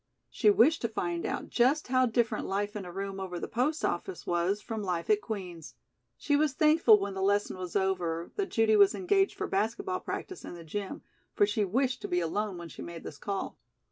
She wished to find out just how different life in a room over the post office was from life at Queen's. She was thankful when the lesson was over, that Judy was engaged for basket ball practice in the gym., for she wished to be alone when she made this call.